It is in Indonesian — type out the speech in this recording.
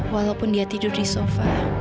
walaupun dia tidur di sofa